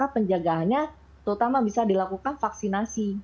penjagaannya terutama bisa dilakukan vaksinasi